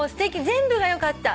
全部がよかった。